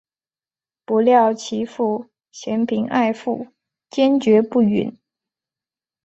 不料其父嫌贫爱富坚决不允。